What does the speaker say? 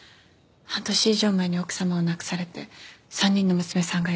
半年以上前に奥様を亡くされて３人の娘さんがいらっしゃる。